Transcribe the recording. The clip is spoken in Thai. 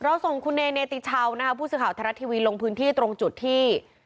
ส่งคุณเนติชาวนะคะผู้สื่อข่าวไทยรัฐทีวีลงพื้นที่ตรงจุดที่